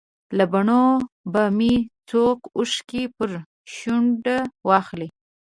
له بڼو به مې څوک اوښکې پر شونډه واخلي.